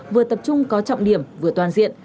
vừa tập trung có trọng điểm vừa toàn diện